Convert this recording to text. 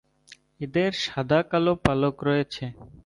এদের সাদা-কালো পালক রয়েছে।